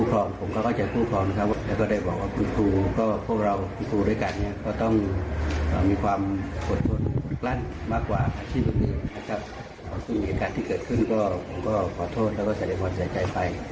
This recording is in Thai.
ถ้าคุณมีอาการที่เกิดขึ้นก็ขอโทษและก็จะได้พอใส่ใจไป